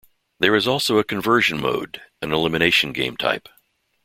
There is also conversion mode, an elimination game type.